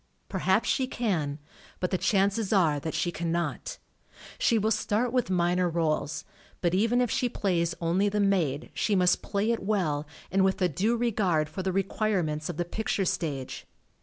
Perhaps she can, but the chances are that she cannot. She will start with minor rdles, but even if she plays only the maid she must play it well and with a due regard for the re quirements of the picture stage.